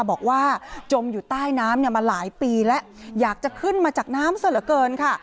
จมอยู่ใต้น้ำเนี่ยมาหลายปีแล้วอยากจะขึ้นมาจากน้ำซะเหลือเกินค่ะ